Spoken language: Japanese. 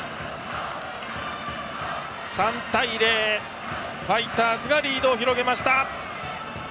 ３対０とファイターズがリードを広げました。